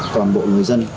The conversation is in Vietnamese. toàn bộ người dân